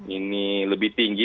ini lebih tinggi